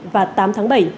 bảy và tám tháng